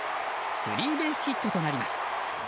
スリーベースヒットになります。